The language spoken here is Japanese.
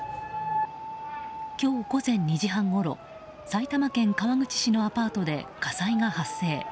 今日午前２時半ごろ埼玉県川口市のアパートで火災が発生。